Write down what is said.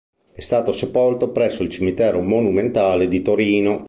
È stato sepolto presso il cimitero monumentale di Torino.